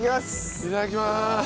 いただきます！